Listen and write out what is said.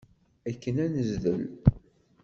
Akken ad nezdel.